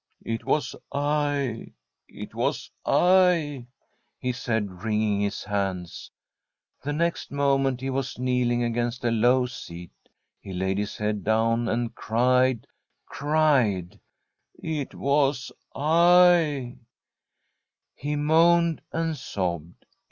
* It was I ! it was I !' he said, wringing his hands. The next moment he was kneeling against a low seat. He laid his head down and cried, cried :' It was II' He moaned and [lap] From a SWEDISH HOMESTEAD sobbed.